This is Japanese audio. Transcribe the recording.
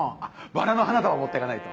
バラの花束持ってかないと。